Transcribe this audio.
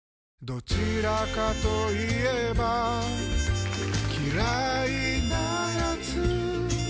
どちらかと言えば嫌いなやつ